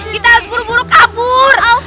kita harus buru buru kabur